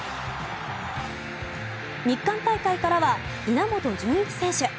日韓大会からは稲本潤一選手。